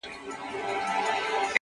د هجرت غوټه تړمه روانېږم!